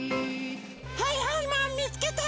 はいはいマンみつけた！